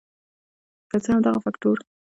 که څه هم دغه فکټور برېتانیا پر نورې نړۍ برلاسې کوله.